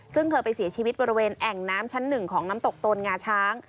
ซึ่งเธอไปเสียชีวิตบริเวณแอ่งน้ำชั้นหนึ่งของน้ำตกตนงาช้าง